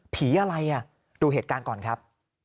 ผีอะไรดูเหตุการณ์ก่อนครับ